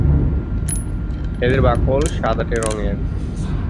এদের বাকল সাদাটে রঙের।